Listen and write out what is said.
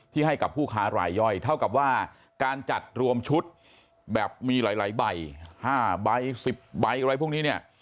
ให้กับผู้ค้ารายย่อยเท่ากับว่าการจัดรวมชุดแบบมีหลายใบ๕ใบ๑๐ใบอะไรพวกนี้เนี่ย